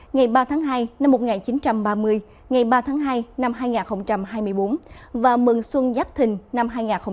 ngày ba tháng hai năm một nghìn chín trăm ba mươi ngày ba tháng hai năm hai nghìn hai mươi bốn và mừng xuân giáp thình năm hai nghìn hai mươi bốn